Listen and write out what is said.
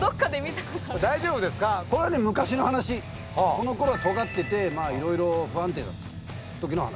このころはとがってていろいろ不安定だった時の話。